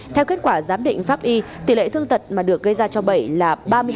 theo kết quả giám định pháp y tỷ lệ thương tật mà được gây ra cho bảy là ba mươi hai